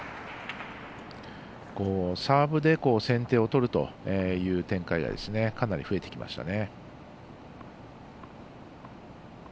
サーブで先手を取るという展開がかなり増えてきましたね。